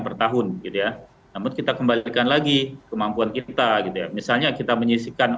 per tahun gitu ya namun kita kembalikan lagi kemampuan kita gitu ya misalnya kita menyisikan